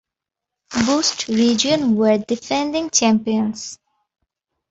Boost Region were the defending champions.